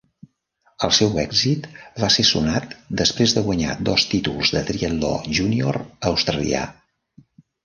El seu èxit va ser sonat després de guanyar dos títols del triatló júnior australià.